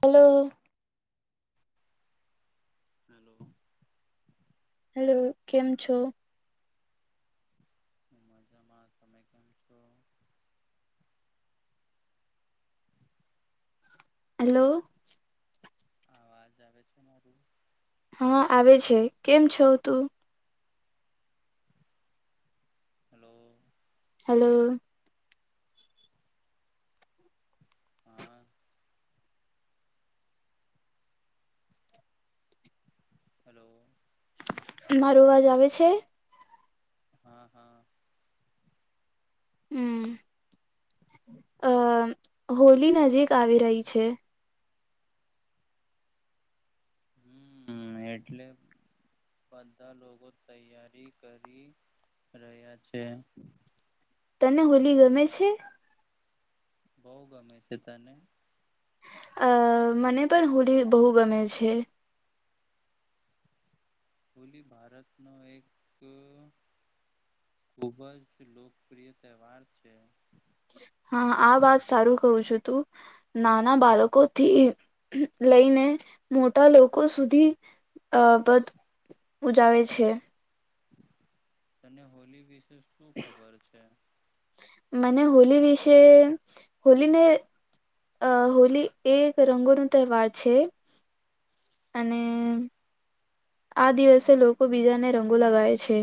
Hello. Hello. Hello, કેમ છો? બસ મજામાં તમે કેમ છો? હલો. આવાજ આવે છે મારું હ આવે છે કેમ છો તું હલો. હલો. હા. હલો. મારો અવાજ આવે છે? હા હા. અમ અ હોલી નજીક આવી રહી છે. હમ્મ એટલે બધા લોકો તૈયારી કરી રહ્યા છે. તને હોલી ગમે છે? બહુ ગમે છે તને. અ મને પણ હોલી બહુ ગમે છે. હોલી ભારતનો એક ખૂબ જ લોકપ્રિય તહેવાર છે. હા આ વાત સારું કઉ છું તું નાના બાળકોથી લઈને મોટા લોકો સુધી અ બધ ઉજાવે છે. તને હોલી વિશે શું ખબર છે. મને હોલી વિશે હોલીને અ હોલી એ એક રંગોનો તહેવાર છે અને આ દિવસે લોકો બીજાને રંગો લગાવે છે.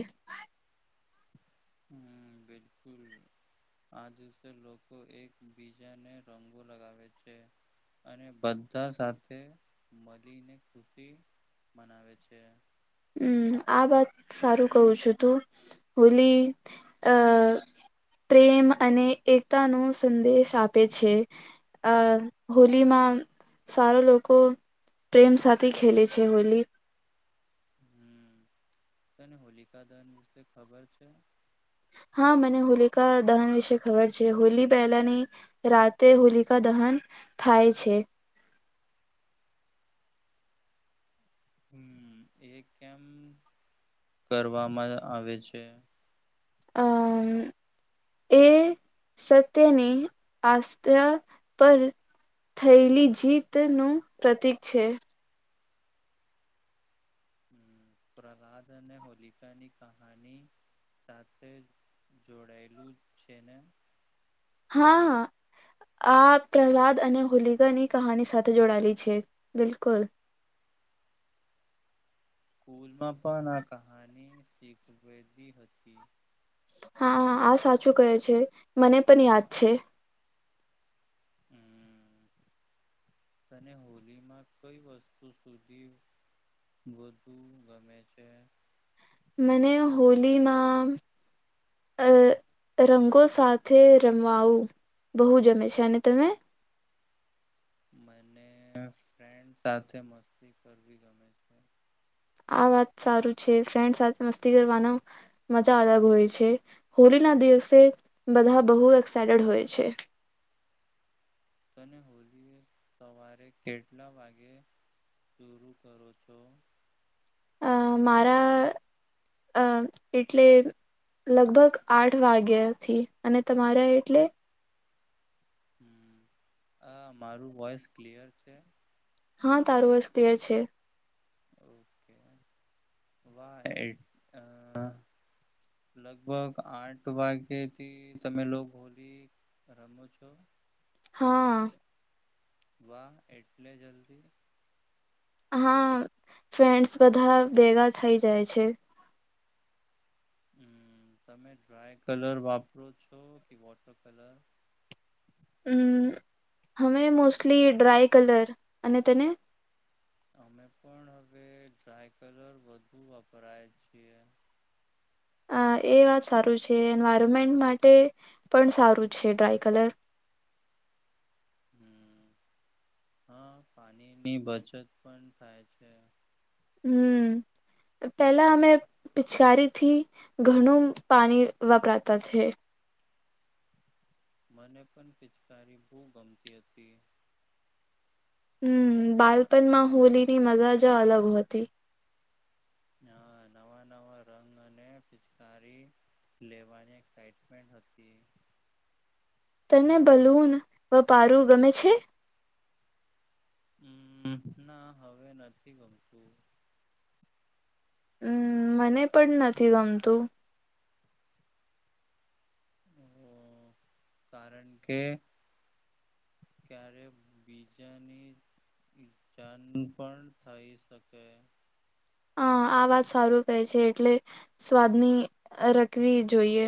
હમ બિલકુલ. આ દિવસે લોકો એક બીજાને રંગો લગાવે છે. અને બધા સાથે મળીને ખુશી મનાવે છે. હમ આ વાત સારું કવું છું તું હોલી અ પ્રેમ અને એકતા નો સંદેશ આપે છે. અ હોલીમાં સારો લોકો પ્રેમ સાથે ખેલેે છે હોલી. હમ તને હોલિકા દહન વિશે ખબર છે? હા મને હોલિકા દહન વિશે ખબર છે હોલી પહેલાની રાતે હોલિકા દહન થાય છે. હમ એ કેમ કરવામાં આવે છે? અ એ સત્યની આસ્થા પર થયેલી જીતનું પ્રતિક છે. હમ પ્રહલાદ અને હોલિકાની કહાની સાથે જોડાયેલું છે ને. હા હ આ પ્રહલાદ અને હોલીગા ની કહાની સાથે જોડાયેલી છે બિલકુલ. સ્કૂલ માં પણ આ કહાની શીખવેદી હતી. હા આ સાચું કહે છે મને પણ યાદ છે. હમ [inaudible] તને હોલી માં કઈ વસ્તુ સુધી ગોધુ ગમે છે. મને હોલીમાં અ રંગો સાથે રમવાવું બહુ જમે છે, અને તમે? મને ફ્રેન્ડ સાથે મસ્તી કરવી ગમે છે. આ વાત સારું છે ફ્રેન્ડ સાથે મસ્તી કરવાનું મજા અલગ હોય છે હોલી ના દિવસે બધા બહુ એક્સાઈટેડ હોય છે. અને હોલીએ સવારે કેટલા વાગે શરૂ કરો છો. અ મારા અ એટલે લગભગ આઠ વાગ્યા થી અને તમારે એટલે હ આ મારું વોઇસ ક્લિયર છે? હા તારું વસ ક્લિયર છે. [unintelligible] લગભગ આઠ વાગ્યથી તમે લોક હોલી રમો છો? હા વાહ એટલે જલ્દી હા ફ્રેન્ડ્સ બધા ભેગા થઈ જાય છે. હમ તમે ડ્રાય કલર વાપરો છો કે વોટર કલર હમ હમે મોસ્ટલી ડ્રાય કલર અને તને અમે પણ હવે ડ્રાય કલર વધુ વાપરાય છે. હા એ વાત સારું છે એન્વાયરમેન્ટ માટે પણ સારું છે ડ્રાય કલર હમ હા પાણીની બચત પણ થાય છે. હમ. પેલા અમે પિચકારીથી ઘણું પાણી વપરાતા છે. મને પણ પિચકારી બહુ ગમતી હતી. હમ બાલપણમાં હોલી ની મજા જ અલગ હોતી. અ નવા નવા રંગ અને પિચકારી લેવાની એકક્સાઈટમેન્ટન્ટ હતી. તને બલૂન વ પારું ગમે છે. હમ ના હવે નથી ગમતું. હમ મને પણ નથી ગમતું. હો કારણ કે ક્યારે બીજાની કિચન પણ થઇ શકે. હ આ વાત સારું કહે છે એટલે સ્વાદની રખવી જોઈએ.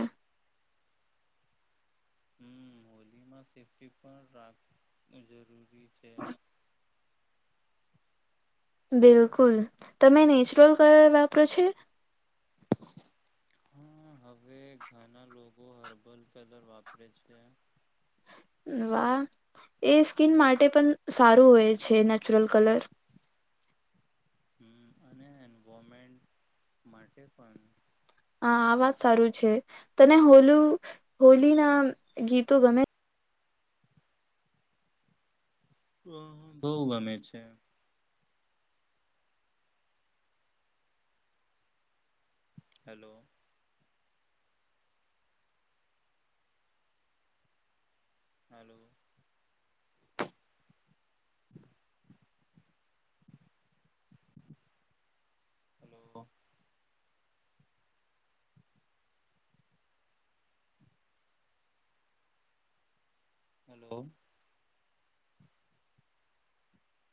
હમ હોલીમાં સેફ્ટી પણ રાખું જરૂરી છે. બિલકુલ તમે નેચુરલ કલર વાપરો છે. હા હવે ઘણા લોકો હર્બલ કલર વાપરે છે. વાહ એ ઈસ્કીન માટે પણ સારું હોય છે નેચુરલ કલર હમ અને એન્વારમેન્ટ માટે પણ હા આ વાત સારું છે તને હોલું હોલી ના ગીતો ગમે. હ બહુ ગમે છે. હેલો. હલો. Hello hello.